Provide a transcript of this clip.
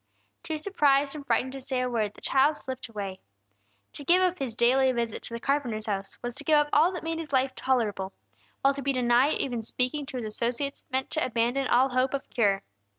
Too surprised and frightened to say a word, the child slipped away. To give up his daily visit to the carpenter's house, was to give up all that made his life tolerable; while to be denied even speaking to his associates, meant to abandon all hope of cure.